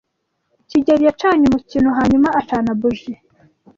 kigeli yacanye umukino hanyuma acana buji.